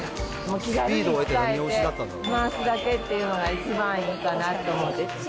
気軽に使えて、回すだけっていうのが一番いいかなと思って。